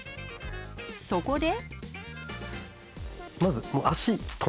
そこで。